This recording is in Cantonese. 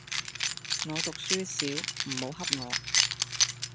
我讀書少，唔好翕我